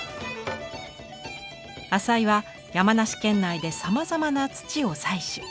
淺井は山梨県内でさまざまな土を採取。